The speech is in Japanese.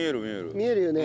見えるよね。